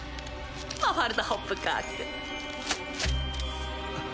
「マファルダ・ホップカーク」